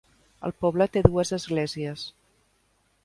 El poble té dues esglésies.